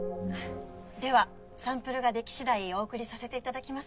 ではサンプルが出来次第お送りさせていただきます。